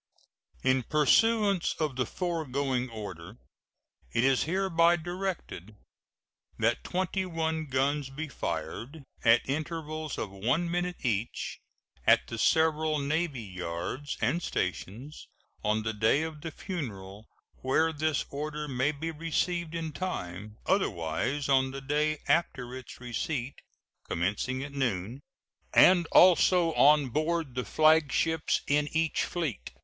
] In pursuance of the foregoing order, it is hereby directed that twenty one guns be fired, at intervals of one minute each, at the several navy yards and stations, on the day of the funeral where this order may be received in time, otherwise on the day after its receipt, commencing at noon, and also on board the flagships in each fleet.